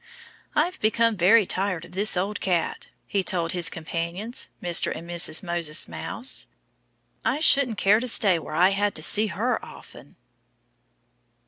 "I've become very tired of this old Cat," he told his companions Mr. and Mrs. Moses Mouse. "I shouldn't care to stay where I had to see her often."